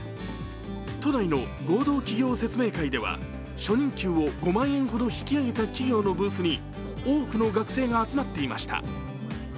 都内の合同企業説明会では初任給を５万円ほど引き上げた企業のブースに多くの学生が集まっていました。